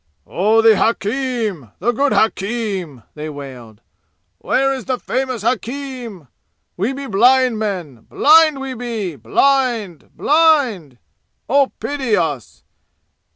"Oh, the hakim the good hakim!" they wailed. "Where is the famous hakim? We be blind men blind we be blind blind! Oh, pity us!